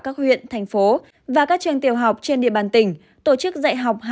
các huyện thành phố và các trường tiểu học trên địa bàn tỉnh tổ chức dạy học